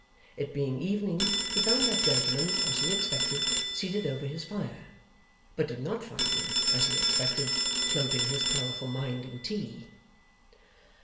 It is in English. It being evening, he found that gentleman, as he expected, seated over his fire; but did not find him, as he expected, floating his powerful mind in tea.